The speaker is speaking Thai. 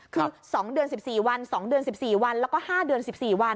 คือ๒เดือน๑๔วัน๒เดือน๑๔วันแล้วก็๕เดือน๑๔วัน